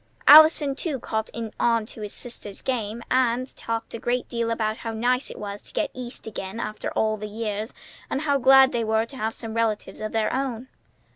Allison too caught on to his sister's game, and talked a good deal about how nice it was to get East again after all the years, and how glad they were to have some relatives of their own.